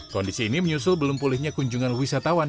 kondisi ini menyusul belum pulihnya kunjungan wisatawan